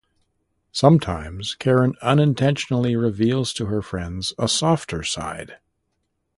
Sometimes Karen unintentionally reveals to her friends a softer side.